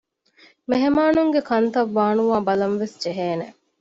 މެހެމާނުންގެ ކަންތައް ވާނުވާ ބަލަންވެސް ޖެހޭނެ